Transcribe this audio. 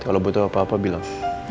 kalau butuh apa apa bilang